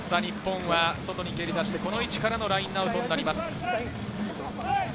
日本を外に蹴り出して、この位置からのラインアウトになります。